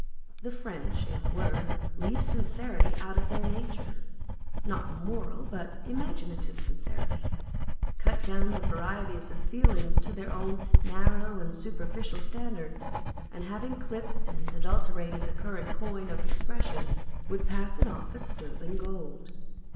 The French in a word leave sincerity out of their nature (not moral but imaginative sincerity), cut down the varieties of feeling to their own narrow and superficial standard, and having clipped and adulterated the current coin of expression, would pass it off as sterling gold.